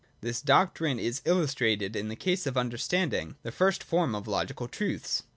This doctrine is illustrated in the case of under standing, the first form of logical truths.